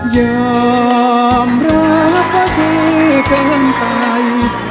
ยอมรับเขาเสียเกินไป